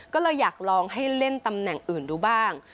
ก็เลยอยากลองให้เล่นตำแหน่งอื่นดูบ้าง